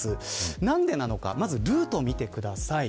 なぜなのかルートを見てください。